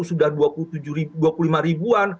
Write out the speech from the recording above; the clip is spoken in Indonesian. sudah dua puluh lima ribuan